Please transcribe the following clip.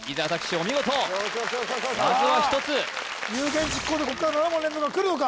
お見事まずは１つよしよしよしよし有言実行でこっから７問連続がくるのか？